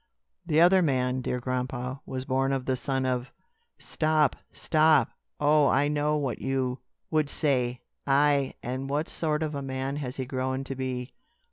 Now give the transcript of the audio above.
"The other man, dear grandpa, was born the son of " "Stop! stop! Oh, I know what you would say. Aye, and what sort of a man has he grown to be?